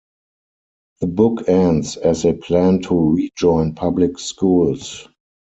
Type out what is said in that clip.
The book ends as they plan to rejoin public schools.